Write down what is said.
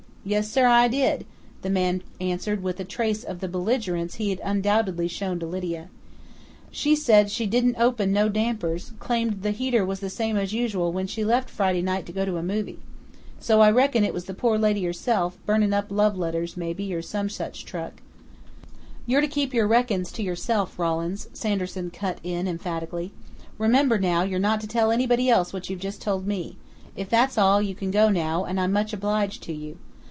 "Yes, sir, I did!" the man answered with a trace of the belligerence he had undoubtedly shown to Lydia. "She said she didn't open no dampers, claimed the heater was the same as usual when she left Friday night to go to a movie. So I reckin it was the poor lady herself, burnin' up love letters, maybe, or some such truck " "You're to keep your 'reckins' to yourself, Rawlins," Sanderson cut in emphatically. "Remember, now, you're not to tell anybody else what you've just told me.... If that's all, you can go now, and I'm much obliged to you.